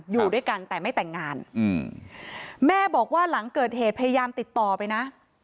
อยู่ด้วยกันแต่ไม่แต่งงานอืมแม่บอกว่าหลังเกิดเหตุพยายามติดต่อไปนะ